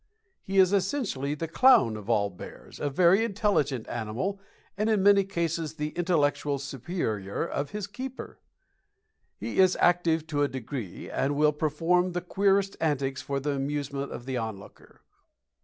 He is essentially the clown of all bears, a very intelligent animal, and in many cases the intellectual superior of his keeper. He is active to a degree, and will perform the queerest antics for the amusement of the onlooker.